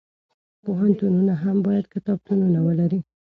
پوهنتونونه هم باید کتابتونونه ولري.